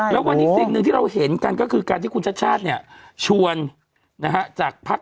แล้ววันนี้สิ่งหนึ่งที่เราเห็นกันก็คือการที่คุณชาติชาติเนี่ยชวนจากภักดิ์